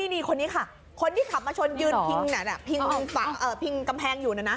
นี่คนนี้ค่ะคนที่ขับมาชนยืนพิงพิงกำแพงอยู่นะนะ